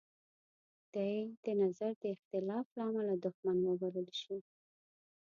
دی د نظر د اختلاف لامله دوښمن وبلل شي.